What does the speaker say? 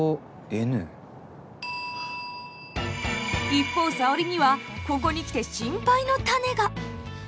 一方沙織にはここに来て心配の種が。